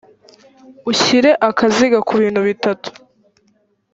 ushyire akaziga ku bintu bitatu.